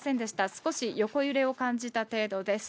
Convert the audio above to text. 少し横揺れを感じた程度です。